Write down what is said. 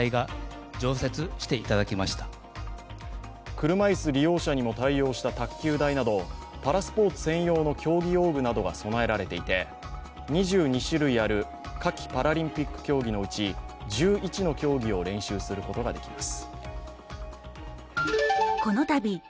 車椅子利用者にも対応した卓球台などパラスポーツ専用の競技用具などが備えられていて、２２種類ある夏季パラリンピック競技のうち１１の競技を練習することができます。